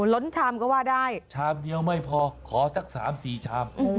ล้นชามก็ว่าได้ชามเดียวไม่พอขอสัก๓๔ชาม